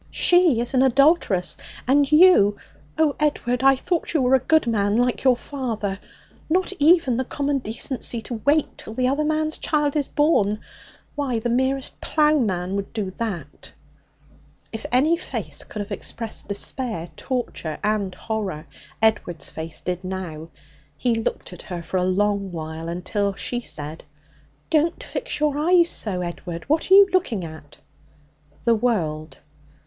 'She is an adulteress. And you oh, Edward, I thought you were a good man, like your father! Not even the common decency to wait till the other man's child is born. Why, the merest ploughman would do that!' If any face could have expressed despair, torture and horror, Edward's face did now. He looked at her for a long while, until she said: 'Don't fix your eyes so, Edward! What are you looking at?' 'The world.